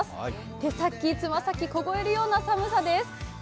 手先、つま先、凍えるような寒さです。